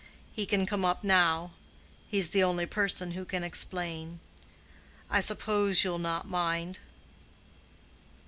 He can come up now. He's the only person who can explain. I suppose you'll not mind."